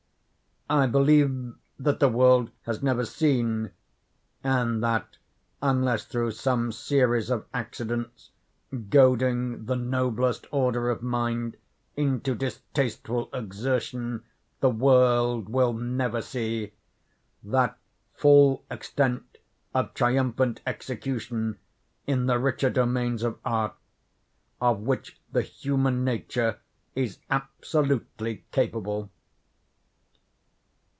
I believe that the world has never seen—and that, unless through some series of accidents goading the noblest order of mind into distasteful exertion, the world will never see—that full extent of triumphant execution, in the richer domains of art, of which the human nature is absolutely capable.